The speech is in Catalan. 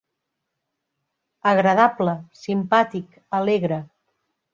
Agradable, simpàtic, alegre.